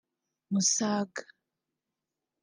Musaga